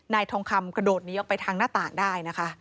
ทองคำกระโดดนี้ออกไปทางหน้าต่างได้นะคะ